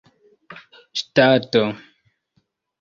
ŝtato